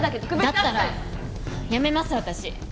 だったらやめます私。